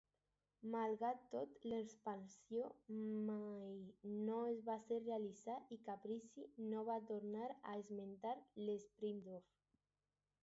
Malgrat tot, l'expansió mai no es va fer realitat i Capizzi no va tornar a esmentar l'spin-off.